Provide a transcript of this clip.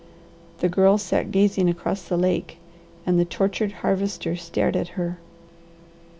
The Girl sat gazing across the lake and the tortured Harvester stared at her.